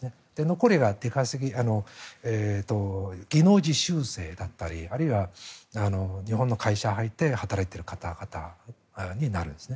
残りが技能実習生だったりあるいは日本の会社に入って働いている方々になるんです。